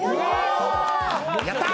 やったー！！